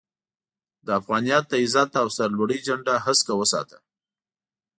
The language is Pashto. د افغانيت د عزت او سر لوړۍ جنډه هسکه وساته